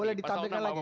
boleh ditampilkan lagi